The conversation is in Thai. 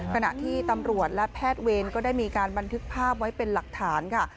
ขณะที่ตำรวจและแพทย์เวรก็ได้มีการบันทึกภาพไว้เป็นหลักฐานค่ะ